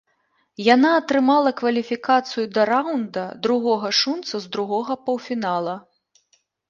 Яна атрымала кваліфікацыю да раўнда другога шунца з другога паўфіналу.